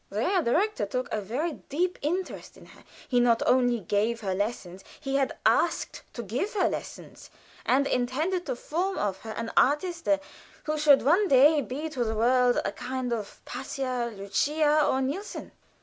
The Herr Direktor took a very deep interest in her; he not only gave her lessons; he had asked to give her lessons, and intended to form of her an artiste who should one day be to the world a kind of Patti, Lucca, or Nilsson.